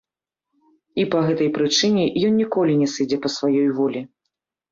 І па гэтай прычыне ён ніколі не сыдзе па сваёй волі.